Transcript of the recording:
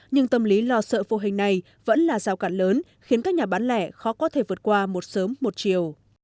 nhưng tâm lý lo sợ phụ hình này vẫn là rào cản lớn khiến các nhà bán lẻ khó có thể vượt qua một sớm một chiều